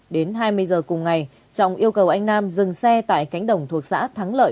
đến hai mươi giờ cùng ngày trọng yêu cầu anh nam dừng xe tại cánh đồng thuộc xã thắng lợi